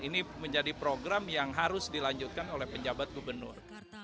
ini menjadi program yang harus dilanjutkan oleh penjabat gubernur